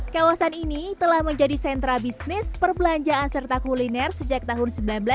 kawasan ini telah menjadi sentra bisnis perbelanjaan serta kuliner sejak tahun seribu sembilan ratus sembilan puluh